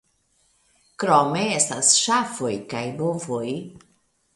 Krome estas ŝafoj kaj bovoj.